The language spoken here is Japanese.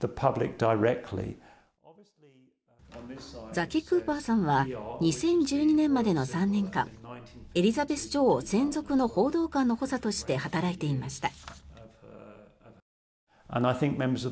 ザキ・クーパーさんは２０１２年までの３年間エリザベス女王専属の報道官の補佐として働いていました。